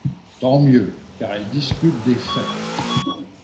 Tant mieux, car elles discutent des faits.